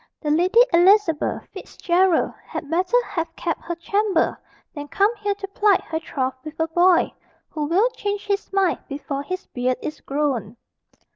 "The Lady Elizabeth Fitzgerald had better have kept her chamber, than come here to plight her troth with a boy, who will change his mind before his beard is grown."